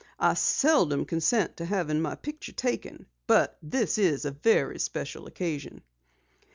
"I seldom consent to having my picture taken, but this is a very special occasion."